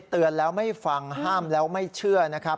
เตือนแล้วไม่ฟังห้ามแล้วไม่เชื่อนะครับ